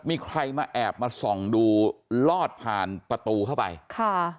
มีใครมาแอบมาส่องดูลอดผ่านประตูเข้าไปค่ะ